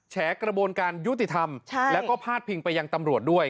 แฉกระบวนการยุติธรรมแล้วก็พาดพิงไปยังตำรวจด้วย